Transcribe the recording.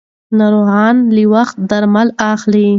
ناروغان له وخته درمل اخلي.